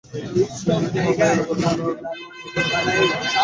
সিংহলের governor স্বচক্ষে ঘটনাটি দেখিয়া উহা তাঁহাকে বলিয়াছিলেন।